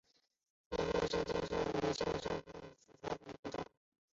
短穗山姜为姜科山姜属下的一个种。